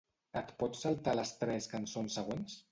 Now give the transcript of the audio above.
Et pots saltar les tres cançons següents?